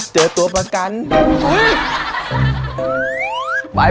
เจอตัวประกันอุ๊ย